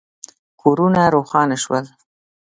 کورونه روښانه شول.